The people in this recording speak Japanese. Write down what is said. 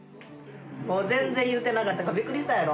全然言うてなかったからびっくりしたやろ？